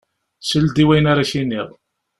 Sel-d i wayen ara k-iniɣ.